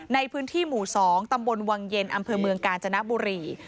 ในพื้นที่หมู่๒ตำบลวังเย็นอำเภอเมืองกาญจนบุรี